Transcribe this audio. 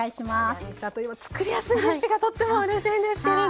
ヤミーさんといえばつくりやすいレシピがとってもうれしいんですけども。